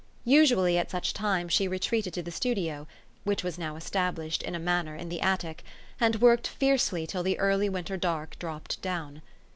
Usually, at such times, she retreated to the studio (which was now established, in a manner, in the attic) , and worked fiercely till the early winter dark dropped down.